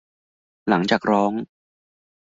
หลังจากร้อง